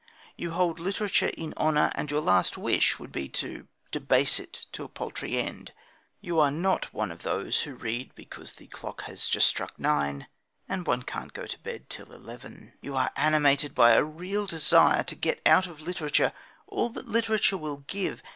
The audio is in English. You hold literature in honour, and your last wish would be to debase it to a paltry end. You are not of those who read because the clock has just struck nine and one can't go to bed till eleven. You are animated by a real desire to get out of literature all that literature will give.